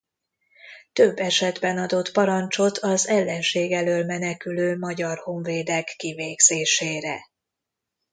Több esetben adott parancsot az ellenség elől menekülő magyar honvédek kivégzésére.